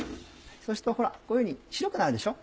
そうするとほらこういうふうに白くなるでしょ。